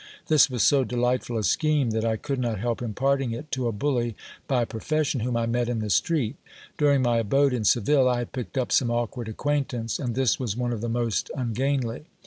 This was so delightful a scheme, that I could not help imparting it to a bully by profession, whom I met in the street. During my abode in Seville, I had picked up some awkward acquaintance, and this was one of the most ungainly.